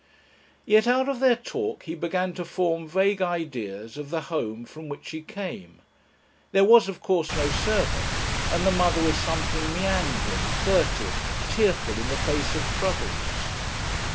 Yet out of their talk he began to form vague ideas of the home from which she came. There was, of course, no servant, and the mother was something meandering, furtive, tearful in the face of troubles.